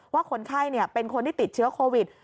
ว่าคนไข้เป็นคนที่ติดเชื้อโควิด